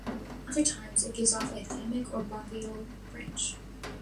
Other times, it gives off a thymic or bronchial branch.